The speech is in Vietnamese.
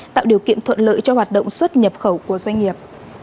tạo điều kiện thuận lợi cho hoạt động xuất nhập khẩu của doanh nghiệp